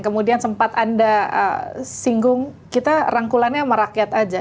kemudian sempat anda singgung kita rangkulannya sama rakyat aja